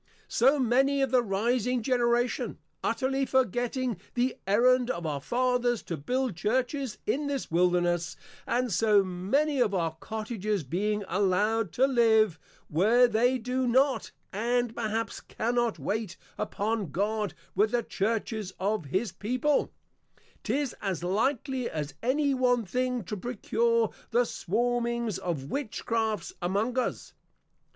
So many of the Rising Generation, utterly forgetting the Errand of our Fathers to build Churches in this Wilderness, and so many of our Cottages being allow'd to Live, where they do not, and perhaps cannot, wait upon God with the Churches of His People; 'tis as likely as any one thing to procure the swarmings of Witch crafts among us.